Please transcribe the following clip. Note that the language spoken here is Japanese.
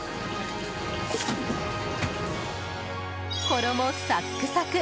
衣サックサク！